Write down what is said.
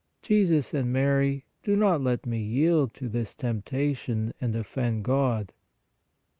Jesus and Mary, do not let me yield to this tempta tion and offend God